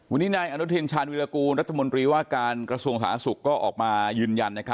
วันนี้นายอนุทินชาญวิรากูลรัฐมนตรีว่าการกระทรวงสาธารณสุขก็ออกมายืนยัน